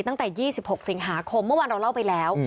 ตั้งแต่ยี่สิบหกสิงหาคมเมื่อวันเราเล่าไปแล้ว